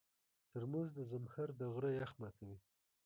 ترموز د زمهر د غره یخ ماتوي.